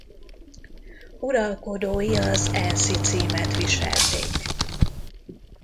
Uralkodói az enszi címet viselték.